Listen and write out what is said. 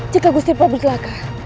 jika gusti prabu telaka